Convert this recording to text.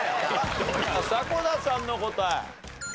迫田さんの答え。